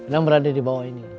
dan berada di bawah ini